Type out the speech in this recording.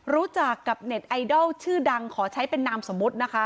รู้จักกับเน็ตไอดอลชื่อดังขอใช้เป็นนามสมมุตินะคะ